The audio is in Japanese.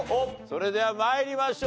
それでは参りましょう。